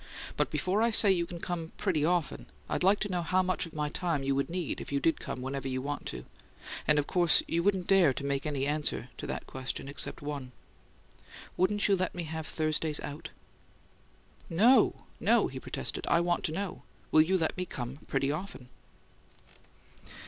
"But before I say you can come 'pretty often,' I'd like to know how much of my time you'd need if you did come 'whenever you want to'; and of course you wouldn't dare make any answer to that question except one. Wouldn't you let me have Thursdays out?" "No, no," he protested. "I want to know. Will you let me come pretty often?"